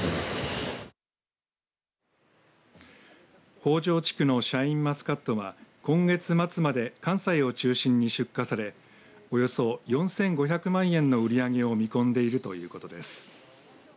北条地区のシャインマスカットは今月末まで関西を中心に出荷されおよそ４５００万円の売り上げを見込んでいるということです。